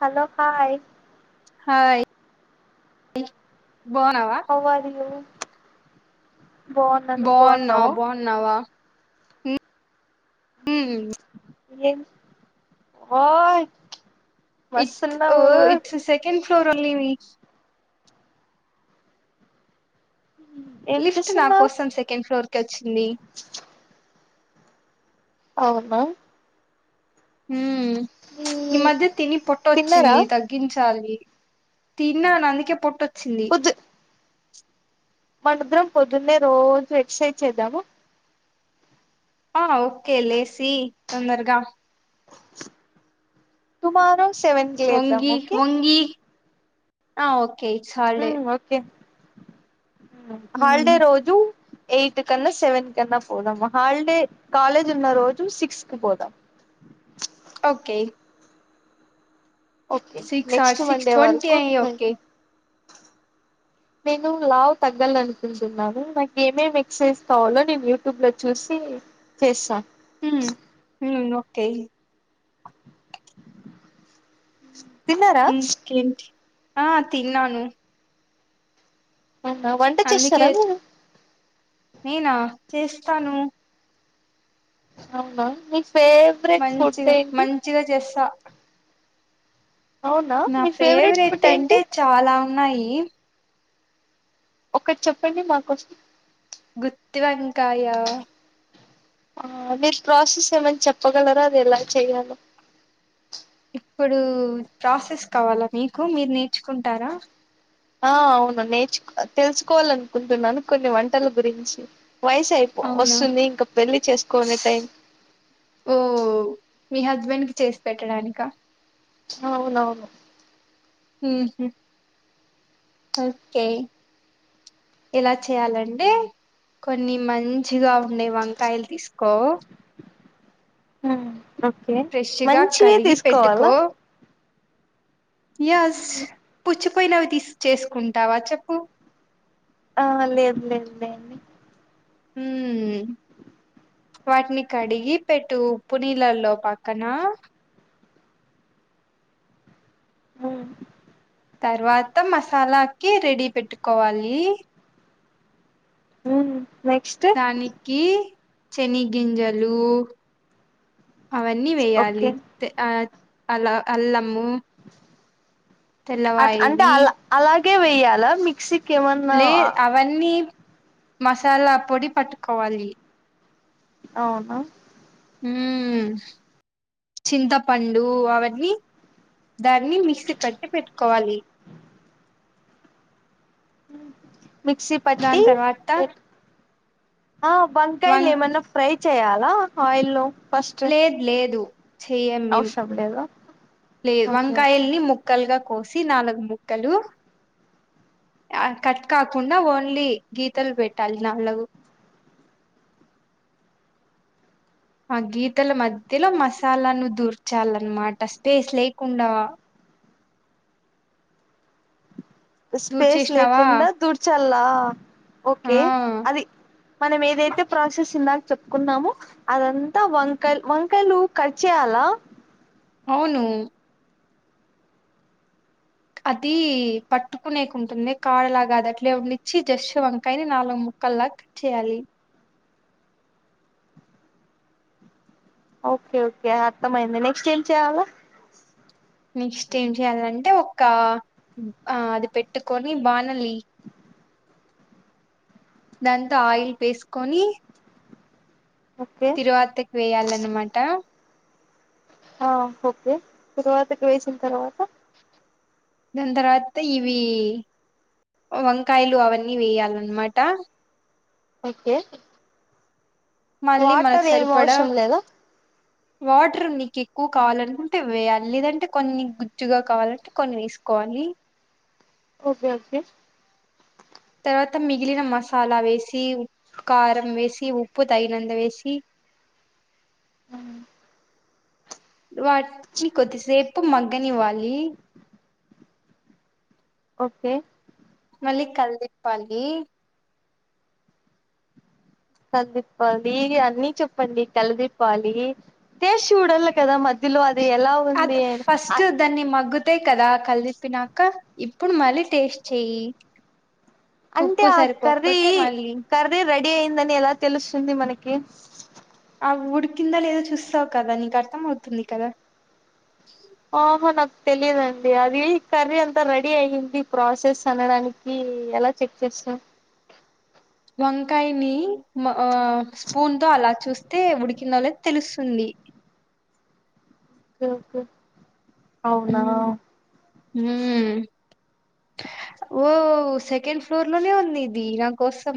Hello hi hi ఇ అవ్వాలి మేము బాన్నా బాగున్నావ బాగున్నావా? ఉమ్ ఏ hi it oh it's second floor ఇవి ఏం లిఫ్ట్ నా చేస్తున్నావు కోసం సెకండ్ ఫ్లోర్ కి వచ్చింది. అవునా హ్మ్ ఈ మ్మ్ మధ్య తిని పొట్ట తిన్నారా వచ్చింది, తగ్గించాలి. తిన్నాను అందుకే పొట్టొచ్చింది. పొద్దు మనిద్దరం పొద్దున్నే రోజు ఎక్ససైజ్ చేద్దాము. ఆ ఓకే లేసి తొందరగా తుమారో వంగి వంగి, ఆ ఓకే ఇట్స్ హాలిడే. మ్మ్ ఓకే హాలిడే మ్మ్ రోజు. ఎయిత్ కన్నా సెవెన్ కన్నా పోదాము, హాలిడే కాలేజ్ ఉన్న రోజు సిక్స్ కి పోదాం. Okay okay six or next six Monday twenty వరకు అయ్యి ట్వ ఓకే నేను లావు తగ్గలనుకుంటున్నాను, నాకు ఏమేమి ఎక్ససైజ్ కావాలో నేను యూట్యూబ్ లో చూసి సి చేసా తేయ్ ఉ ఆ తిన్నాను అవును వంట అందుకే చేస్తరా మీరు? నేనా చేస్తాను. అవునా నెక్స్ట్ మంచి మంచిగా చేస్తా అవునా నా మీ ఫేవరెట్ ఫుడ్ ఏంటి అంటే చాలా ఉన్నాయి. ఒకటి చెప్పండి నాకోసం. గుత్తివంకాయా ఆ మీరు ప్రాసెస్ ఏమన్న చెప్పగలరా అది ఎలా చెయలో? ఇప్పుడు ప్రాసెస్ కావాలా మీకు, మీరు నేర్చుకుంటారా? ఆ అవును నేర్చు తెలుసుకోవాలనుకుంటున్నాను కొన్ని వంటల గురించి. వయసైపో అవునా వస్తుంది ఇంక పెళ్లి చేసుకోనే టైం. ఓ మీ హస్బెండ్ కి చేసి పెట్టడానిక? అవునవును ఉహు ఓకే ఎలా చెయాలండి? కొన్ని మంచిగా ఉండే వంకాయలు తీసుకో. ఉమ్ ఓకే, ఫ్రెష్ గా మంచివే కడిగి తీసుకోవాలా? పెట్టుకో యస్, పుచ్చిపోయినవి తీస్ చేసుకుంటావా చెప్పు? ఆ లేదు లేదు లేండి. ఉమ్ వాటిని కడిగి పెట్టు, ఉప్పు నీలల్లో పక్కన ఉమ్ తర్వాత మసాలాకి రెడీ పెట్టుకోవాలి. ఉమ్ దానికి చెని గింజలు అవన్నీ ఓకే వేయాలి, త్ ఆ అలా అల్లము అట్ అంటే తెల్లవాయివి అలా అలాగే వేయాల మిక్సీ లే అవన్నీ మసాలా పొడి పట్టుకోవలి. అవున ఉ చింతపండు అవన్నీ దాన్ని మిక్సీ పట్టి పెట్టుకోవాలి మిక్స పట్టి దాని తర్వాత పెట్ ఆ వం బంకాయలు ఏమన్నా ఫ్రై చేయాలా ఆయిల్ ఫస్ట్ లేదు లేదు చెయం మేం అవసరం లేదా లేదు ఓకే ఓకే వంకాయల్ని ముొక్కలుగా కోసి నాలుగు ముక్కలు ఆ కట్ కాకుండా ఓన్లీ గీతలు పెట్టాలి నళ్ళగు ఆ గీతల మధ్యలో మసాలాను్వు దూర్చాలన్నమాట స్పేస్ లేకుండా స్పేస్ దూర్చేసినావా లేకుండా దుడ్చలా ఆ ఓకే అది మనం ఏదైతే ప్రాసెస్ ఇందాక చెప్పుకున్నామో అదంతా వంకాలు వంకాయలు కట్ చేయాలి లా అవును అది పట్టుకునేకి ఉంటుంది కాడలాగా అది అట్లే ఉండించిి జస్ వంకాయని నాలుగ ము కలాక్ చేయాలి ఓకే ఓకే అర్థమయింది నెక్స్ట్ ఏం చేయాలా నెక్స్ట్ ఏం చెయాలంటే ఒక ఆ అది పెట్టుకొని బానలి దాంతో ఆయిల్ వేసుకొని ఓకే తిరువాతకి వేయాలన్నమాట ఆ ఓకే తిరువాతకి వేసిన తర్వాత దని తర్వాత ఇవి వంకాయలు అవన్నీ వేయాలన్నమాట ఓకే మళ్ళీ మనకు వాటర్ ఏం సరిపడా అవసరం లేదా వాటర్ నీకి ఎక్కువ కావాలినుకుంటే వేయాల లేదంటే కొన్ని గుజ్జుగా కావాలంటే కొన్ని వేసుకోవాలి లి ఓకే ఓకే తర్వాత మిగిలిన మసాలా వేసి ఉకారం వేసి ఉ ఉప్పు తగినంత వేసి వాటిని కొద్దిసేపు మగ్గని ఇవ్వాలి ఓకే మళ్లీ కలదిప్పాలి కలదీప్పాలి అన్నిీ చెప్పండి కలదీప్పాలి టేస్ట్ చూడల్ల కదా మధ్యలో అది ఎలా ఉంది అది అని ఆ ఫస్ట్ దాన్ని మగ్గుతాయి కదా కలిలిప్పినాక ఇప్పుడు మళ్ళీ టేస్ట్ చెయ్య అంటే ఆ కరది మళ్ళీ కరది రెడ్ డి అయిందని ఎలా తెలుస్తుంది మనకి ఆ వు ఉడికిందా లేదో చూస్తావు కదా నీకు అర్థం అవుతుంది కదా ఆహా నాకు తెలిదుండి అది కర్రీ అంతా రెడీ అయి్యంది ప్రాసెస్ అనడానికి కి ఎలా చెక్ చేస్తాం వంకాయని మో ఆ స్పూన్ తో అలా చూస్తే ఉడికిందో లేదో తెలుస్తుంది ఓకే ఓకే అవునా ఉ ఓ సెకండ్ ఫ్లోర్ లోనే ఉంది ఇది నా కోసం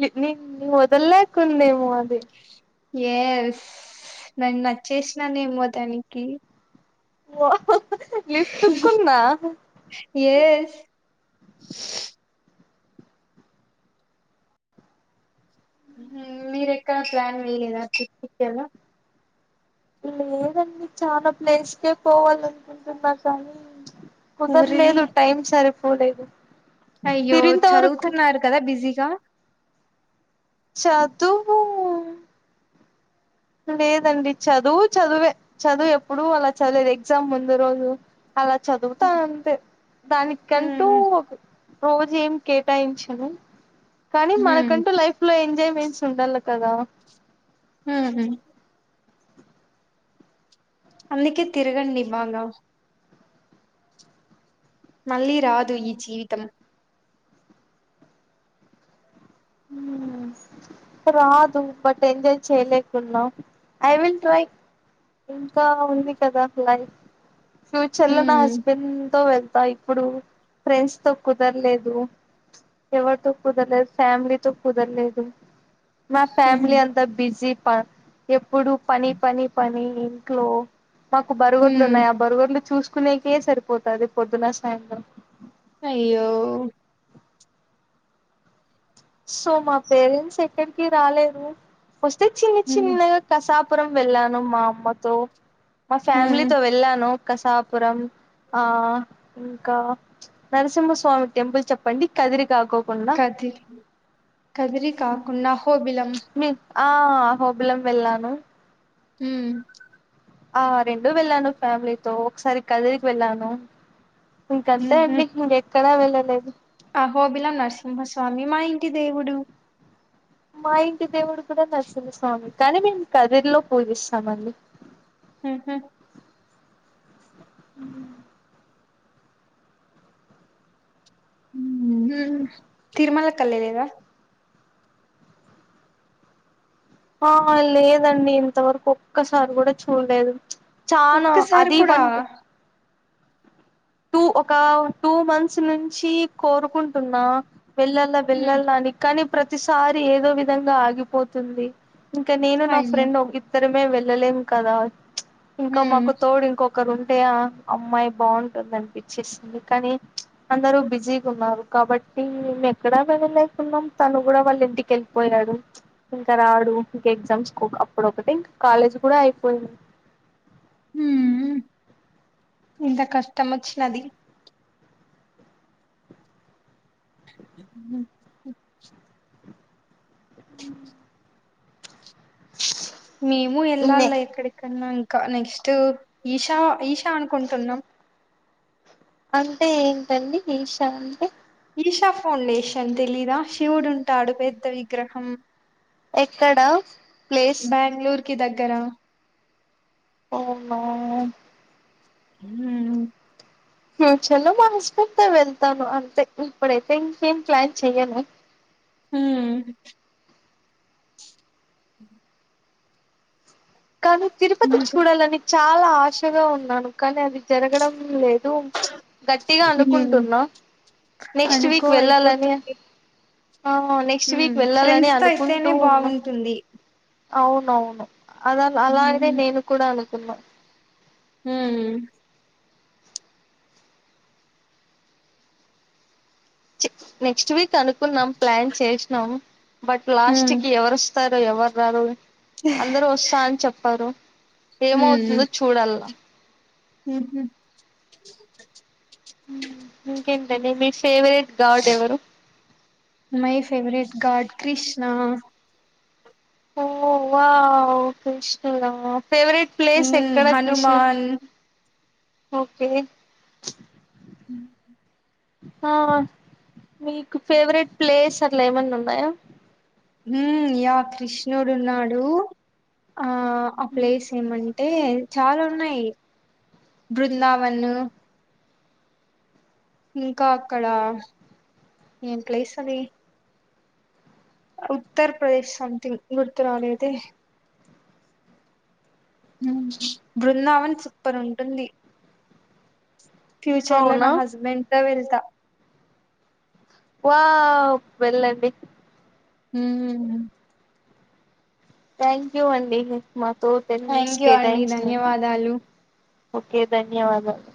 నిన్నే వదల్లేకుందేమో అది ఎస్ నన్ను నచ్చేసినాను ఏమో దానికి ఓ హూ ఎద్దు కూడనా ఎస్ ఉ మీర ఎక్కడ ప్లాన్ వేయలేదా ట్రిప్కిక్కలా లేదండి చాల ప్లేస్కే పోవాల అనుకుంటున్నా కానీ ఊరిని కుదర్లేదు టైం సరిపోలేదు అయ్యో మీరింత వరకు చదువుతున్నారు కదా బిజీగ చదువు లేదండి చదువు చదువే చదువు ఎప్పుడు అలా చదిలేదు ఎగ్జామ్ ముందు రోజు అల చదువుతా అంతే దానికంటూ మ్మ్ ఒ రోజు ఏం కేటాయించను కానీ మ్మ్ మనకంటూ లైఫ్ లో ఎంజాయ్ మెంట్స్ ఉండల కదా హు హు అందుకే తిరుగండి బాగ మళ్ళీ రాదు ఈ జీవితం హు రాదు బట్ ఎంజాయ్ చేయలేకున్నా ఐ విల్ ట్రై ఇంకా ఉంది కదా లైఫ్ ఫ్యూచర్ లో న మ్మ్ హస్బెండ్ తో వెళ్ ఇప్పుడు ఫ్రెండ్స్ తో కుదరలేదు ఎవరితో కుదరలేదు ఫ్యామిలీ కుదరలేదు మా ఫ్యామిలీ అంతా బిజీ ప ఎ ప్పుడు పని పని పని ఇంట్లో మాకు బరుగడ్లు మ్మ్ ఉన్నాయి ఆ బరుగడ్లు చూస్ కునేకే సరిపోతాది పొద్దున్న సాయంత్రం అయ్యో సో మా పేరెంట్స్ ఎక్కడికి రాలేరు వస్తే చిన్న ఉమ్ చిన్నగా కసా పురం వెళ్ళాను మా అమ్మతో మా ఉమ్ ఫ్యామిలీతో వెళ్ళాను కసాపురం ఆ ఇంకా నరసింహస్వామి టెంపుల్ చెప్పండి కదిరి కకో కదిరి కదిరి కాకుండా ఆహోబిలం మీ ఆ అహోబిలం వెళ్ళాను హు ఆ రెండూ వెళ్ళాను ఫ్యామిలీతో ఒకసారి కదిరికి వెళ్ళాను ఇంకంతే అండి ఇక ఎక్కడా వెళ్ళలేదు ఆహోబిలాం నర్సింహస్వామి మా ఇంటి దేవుడు మా ఇంటి దేవుడు కూడ నరసింహస్వామి కానీ మేము కదిరిలో పూజిస్తామండి హు హు ఉ తిరుమల కళ్ళలేద ఆ లేదండి ఇంతవరకు ఒక్కసారి కూడ చూడలేదు చాన ఒక్కసారి అది కూడా వన్ టూ ఒక టూ మంత్స్ నుంచి కోరుకుంటున్నా వెళ్ళల్లా ఉమ్ వెళ్ళలా అని కానీ ప్రతిసారి ఏదో విధంగా ఆగిపోతుంది ఇంకా నేను నా అయ్యో ఫ్రెండ్ ఇద్దరమే వెళ్ళలేం కదా ఇంకా ఉమ్ మాకు తోడు ఇంకొక్ ఒక్కరు ఉంటే అమ్మాయి బాగు [unintelligible] అనిపించేస్తుంది కానీ అందరుూ బిజీగా ఉన్నారు కాబట్టి నేను ఎక్కడా వెళ్ళలే న్నాం తను కూడ వాళ్ళు ఇంటికి వెళ్ళిపోయాడు ఇంకా రాడు ఇంక ఎగ్జామ్స్ అప్పుడు ఒకటి ఇంకా కాలేజ్ కూడ అయిపోయింది హు ఎంత కష్టం వచ్చినది ఉమ్. అ మేము ఇన్నే వెళ్ళాలల ఎక్కడిక ఇంకా నెక్స్ట్ ఈషా ఈషా అనుకుంటున్నాం అంటే ఏంటండి ఈష అంటే ఈషా ఫౌండేషన్ తెలీద శివుడుంటాడు పెద్ద విగ్రహం ఎక్కడ ప్లేస్ బెంగళూరు కి దగ్గరా ఓ నో మ్ ఫ్యూచర్లో మా హస్బెండ్తో వెళ్తాను అంతే ఇప్పుడైతే ఇంకేం ప్లాన్ చెయ్యను. హ్మ్ కానీ తిరుపతి ఉమ్ చూడాలని చాలా ఆశగా ఉన్నాను కానీ అది జరగడం లేదు గట్టిగా అనుకుంటున్నా. నెక్స్ట్ అనుకో వీక్ వెళ్ళాలని అయిపోతుంది ఆ నెక్స్ట్ వీక్ ఉమ్ వెళ్ళాలని ఫ్రెండ్స్ తో అనుకుంటూ అయితేనే ఉన్న. బాగుంటుంది అవునవును. అద ఉమ్ అలాగనే నేన్ కూడా అనుకున్నా. హ్మ్ చి నెక్స్ట్ వీక్ అనుకున్నాం ప్లాన్ చేసినం బట్ ఉమ్ లాస్ట్కి ఎవర్ స్తారో ఎవర్ రారో అందరూ వస్తా అని చెప్పారు ఏమవుతుందో చూడల్లా మ్ హ్ ఇంకేంటండి మీ ఫేవరెట్ గాడ్ ఎవరు? కృష్ణా ఓ వావ్ కృష్ణుడా ఫేవరెట్ ప్లేస్ ఉమ్ ఎక్కడ కృష్ణ హనుమాన్ ఓకే అ ఆ నీకు ఫేవరెట్ ప్లేస్ అట్ల ఏమన్న ఉన్నయా హ్మ్ యా కృష్ణుడున్నాడు. ఆ ఆ ప్లేస్ ఏమం టే చాలా ఉన్నాయి బృందావన్ ఇంకా అక్కడా ఏం ప్లేస్ అది ఉత్తర్ ప్రదేశ్ సమ్థింగ్ గుర్తురాలేదే మ్ బృందావన్ సూపర్ ఉంటుంది. ఫ్యూచర్లో అవునా నా హస్బెండ్తో వెళ్తా. వావ్ వెళ్ళండి. మ్ థ్యాంక్ యూ అండి మాతో టెన్ మినిట్స్ థ్యాంక్ యూ అండి కేటాయించినం ధన్యవాదాలు ఓకే ధన్యవాదాలు